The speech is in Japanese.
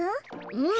うん！